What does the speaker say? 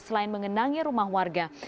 selain mengenangi rumah warga